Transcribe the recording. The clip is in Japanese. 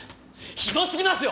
ひどすぎますよ！